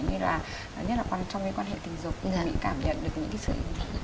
như là nhất là trong những quan hệ tình dục mình cảm nhận được những cái sự ý nghĩa